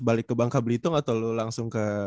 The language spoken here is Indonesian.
balik ke bangka belitung atau lo langsung ke